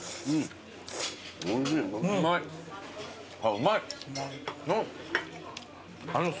うまい。